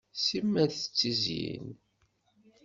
Simmal tettizyin.